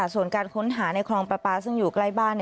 ส่วนการค้นหาในคลองปลาปลาซึ่งอยู่ใกล้บ้าน